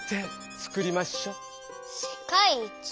世界一？